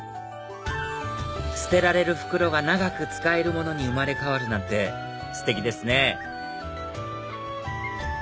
捨てられる袋が長く使えるものに生まれ変わるなんてステキですね！